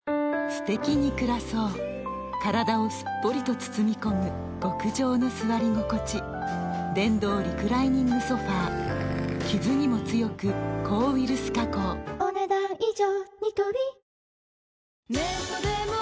すてきに暮らそう体をすっぽりと包み込む極上の座り心地電動リクライニングソファ傷にも強く抗ウイルス加工お、ねだん以上。